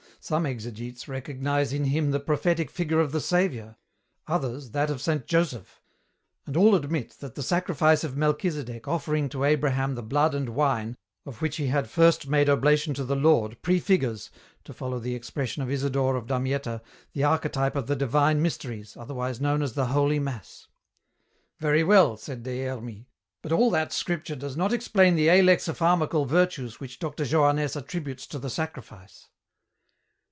Some exegetes recognize in him the prophetic figure of the Saviour, others, that of Saint Joseph, and all admit that the sacrifice of Melchisedek offering to Abraham the blood and wine of which he had first made oblation to the Lord prefigures, to follow the expression of Isidore of Damietta, the archetype of the divine mysteries, otherwise known as the holy mass." "Very well," said Des Hermies, "but all that Scripture does not explain the alexipharmacal virtues which Dr. Johannès attributes to the sacrifice."